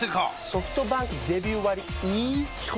ソフトバンクデビュー割イズ基本